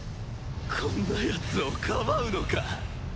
こんなやつをかばうのか！？